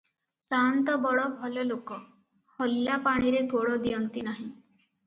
ସାଆନ୍ତ ବଡ଼ ଭଲଲୋକ, ହଲିଲା ପାଣିରେ ଗୋଡ଼ ଦିଅନ୍ତି ନାହିଁ ।